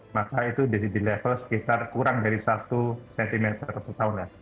maka itu jadi di level sekitar kurang dari satu cm per tahun lah